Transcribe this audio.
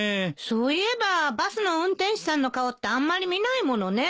そういえばバスの運転手さんの顔ってあんまり見ないものね。